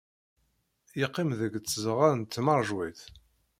Yeqqim deg tzeɣɣa n tmeṛjiwt.